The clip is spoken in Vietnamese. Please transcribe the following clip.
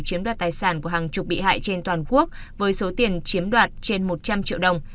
chiếm đoạt tài sản của hàng chục bị hại trên toàn quốc với số tiền chiếm đoạt trên một trăm linh triệu đồng